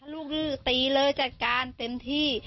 ลูกดื้อตีเลยจัดการเต็มที่